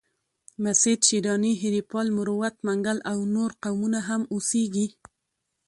مسید، شیراني، هیریپال، مروت، منگل او نور قومونه هم اوسیږي.